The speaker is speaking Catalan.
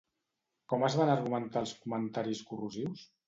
Com es van argumentar els comentaris corrosius?